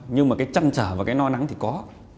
nhưng mà cái chăn trở và cái no nắng thì có